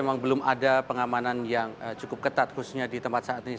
memang belum ada pengamanan yang cukup ketat khususnya di tempat saat ini